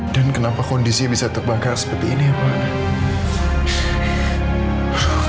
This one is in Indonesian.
dan kenapa kondisi bisa terbakar seperti ini ya pak